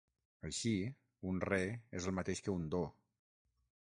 Així, un Re és el mateix que un Do.